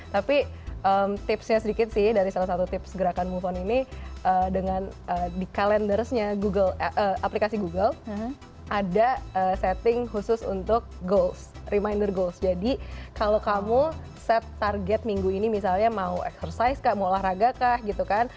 tapi tipsnya sedikit sih dari salah satu tips gerakan move on ini dengan di kalendersnya google aplikasi google ada setting khusus untuk goals reminder goals jadi kalau kamu set target minggu ini misalnya mau eksersis kak mau olahraga kah gitu kan